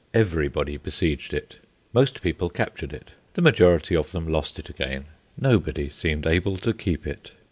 Everybody besieged it, most people captured it; the majority of them lost it again; nobody seemed able to keep it.